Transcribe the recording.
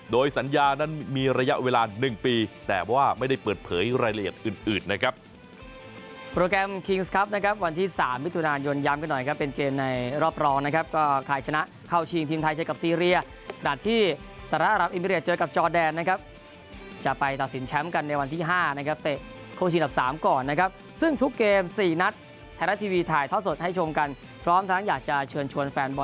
โดยสัญญานั้นมีระยะเวลา๑ปีแต่ว่าไม่ได้เปิดเผยรายละเอียดอื่นนะครับ